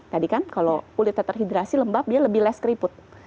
tadi kan kalau kulitnya terhidrasi lembab dia lebih less keriput